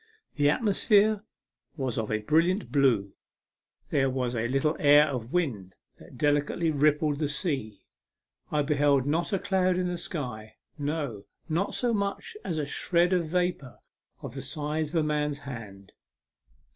The atmo sphere was of a brilliant blue. There was a 62 A MEMORABLE SWIM. little air of wind that delicately rippled the sea. I beheld not a cloud in the sky no, not so much as a shred of vapour of the size of a man's hand.